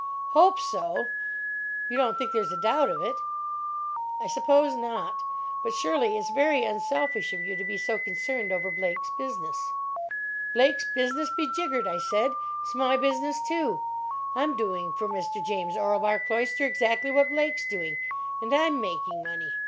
"'Hope so.' You don't think there's a doubt of it?" "I suppose not. But surely it's very unselfish of you to be so concerned over Blake's business." "Blake's business be jiggered," I said. "It's my business, too. I'm doing for Mister James Orlebar Cloyster exactly what Blake's doing. And I'm making money.